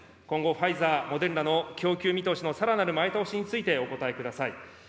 今後、ファイザー・モデルナの供給見通しのさらなる前倒しについてお答えください。